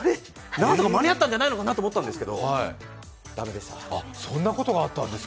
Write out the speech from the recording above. なんとか間に合ったんじゃないのかなって思ったんですけど、駄目でした。